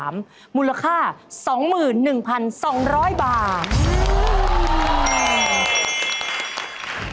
มูลค่า๒๑๒๐๐บาท